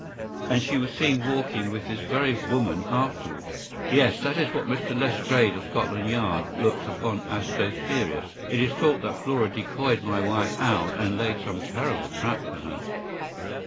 ” “And she was seen walking with this very woman afterwards?” “Yes. That is what Mr. Lestrade, of Scotland Yard, looks upon as so serious. It is thought that Flora decoyed my wife out, and laid some terrible trap for her.